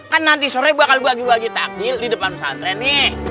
kan nanti sore bakal bagi bagi takjil di depan santren nih